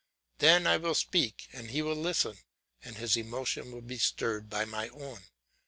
Then I will speak and he will listen, and his emotion will be stirred by my own.